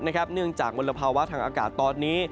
เนื่องจากมลภาวะทางอากาศตอนนี้